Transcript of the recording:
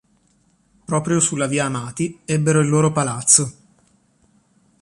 Proprio sulla via Amati ebbero il loro palazzo.